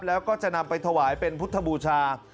แล้วก็จะนำไปถวายเป็นพุทธบูชา